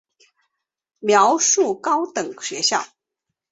苗栗高等学校